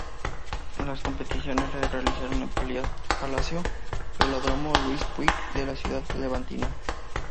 Las competiciones se realizaron en Palacio Velódromo Luis Puig de la ciudad levantina.